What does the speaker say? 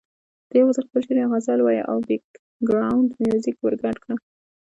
ته یوازې خپل شعر یا غزل وایه او بېکګراونډ میوزیک ورګډ کړه.